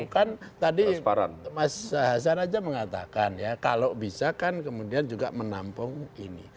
kan tadi mas hasan aja mengatakan ya kalau bisa kan kemudian juga menampung ini